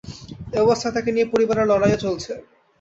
এ অবস্থায় তাঁকে নিয়ে পরিবারের লড়াইও চলছে।